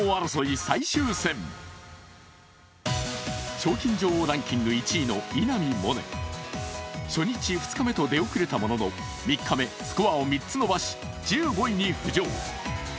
賞金女王ランキング１位の稲見萌寧。初日、２日目と出遅れたものの３日目スコアを３つ伸ばし１５位に浮上。